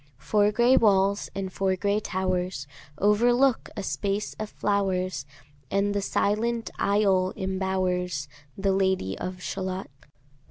Four gray walls, and four gray towers, Overlook a space of flowers, And the silent isle imbowers The Lady of Shalott.